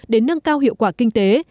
để nâng cao hiệu quả kinh tế